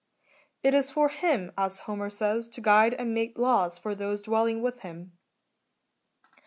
^ It is for him, as Homer says, to guide and make laws for those dwelling with him.